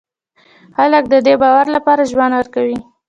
خلک د دې باور لپاره ژوند ورکوي.